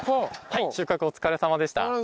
はい収穫お疲れさまでした。